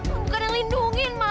bukan yang lindungin pak